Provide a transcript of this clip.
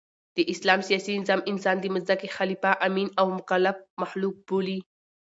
د اسلام سیاسي نظام انسان د مځکي خلیفه، امین او مکلف مخلوق بولي.